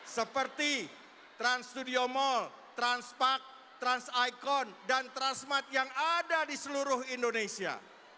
seperti trans studio mall transpak trans icon dan transmart yang ada di seluruh indonesia